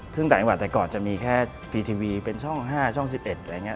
ซึ่งแต่ก่อนจะมีแค่ฟรีทีวีเป็นช่อง๕ช่อง๑๑อะไรอย่างนี้